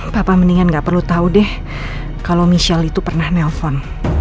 bapak mendingan gak perlu tahu deh kalau michelle itu pernah nelfon